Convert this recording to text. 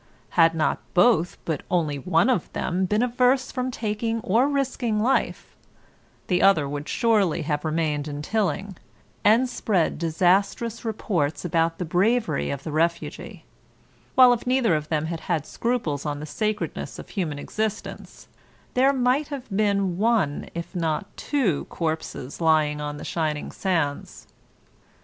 Had not both but only one of them been averse from taking or risking life, the other would surely have remained in Tilling, and spread disastrous reports about the bravery of the refugee; while if neither of them had had scruples on the sacredness of human existence there might have been one if not two corpses lying on the shining sands.